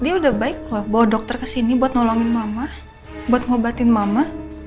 dia udah baik lah bawa dokter kesini buat nolongin mama buat ngobatin mama